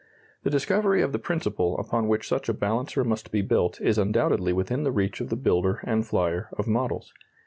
The discovery of the principle upon which such a balancer must be built is undoubtedly within the reach of the builder and flyer of models.